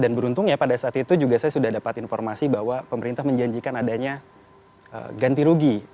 dan beruntungnya pada saat itu juga saya sudah dapat informasi bahwa pemerintah menjanjikan adanya ganti rugi